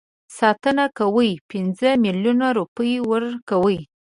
ساتنه کوي پنځه میلیونه روپۍ ورکوي.